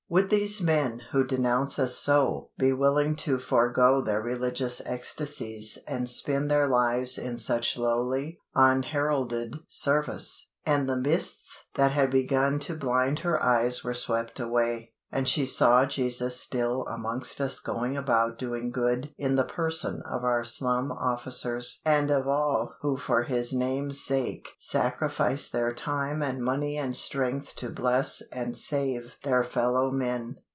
Would these men, who denounce us so, be willing to forgo their religious ecstasies and spend their lives in such lowly, unheralded service?" And the mists that had begun to blind her eyes were swept away, and she saw Jesus still amongst us going about doing good in the person of our Slum Officers and of all who for His name's sake sacrifice their time and money and strength to bless and save their fellow men.